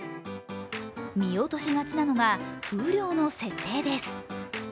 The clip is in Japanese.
見落としがちなかのが、風量の設定です。